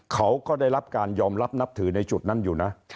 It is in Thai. เขาก็ได้รับการยอมรับนับถือในจุดนั้นอยู่นะ